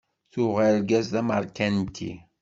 Tuɣ argaz d ameṛkanti.